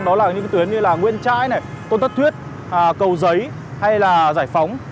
đó là những tuyến như là nguyễn trãi này tôn thất thuyết cầu giấy hay là giải phóng